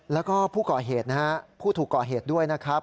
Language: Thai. แล้วก็ผู้ก่อเหตุนะฮะผู้ถูกก่อเหตุด้วยนะครับ